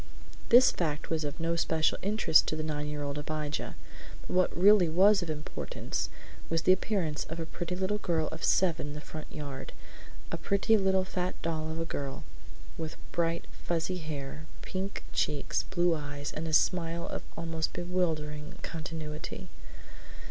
This fact was of no special interest to the nine year old Abijah, but what really was of importance, was the appearance of a pretty little girl of seven in the front yard; a pretty little fat doll of a girl, with bright fuzzy hair, pink cheeks, blue eyes, and a smile of almost bewildering continuity.